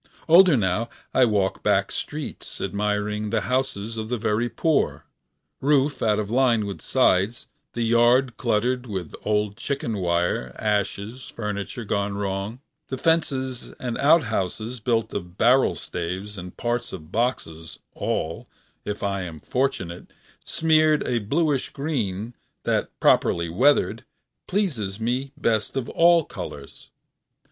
Older now I walk back streets admiring the houses of the very poor: roof out of line with sides the yards cluttered with old chicken wire, ashes, furniture gone wrong; the fences and outhouses built of barrel staves and parts of boxes, all, if I am fortunate, smeared a bluish green that properly weathered pleases me best of all colors.